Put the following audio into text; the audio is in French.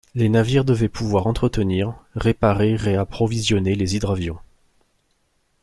Les navires devaient pouvoir entretenir, réparer et approvisionner les hydravions.